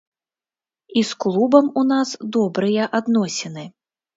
І з клубам у нас добрыя адносіны.